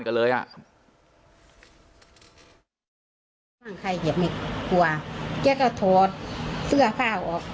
กันเลยอ่ะ